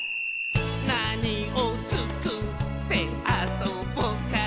「なにをつくってあそぼかな」